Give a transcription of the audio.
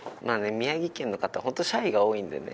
宮城県の方ホントシャイが多いんでね